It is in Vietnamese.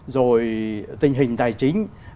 rồi tình hình tài chính